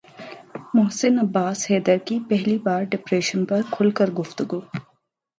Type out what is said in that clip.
محسن عباس حیدر کی پہلی بار ڈپریشن پر کھل کر گفتگو